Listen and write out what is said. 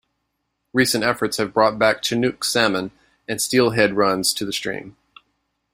Recent efforts have brought back Chinook salmon and steelhead runs to the stream.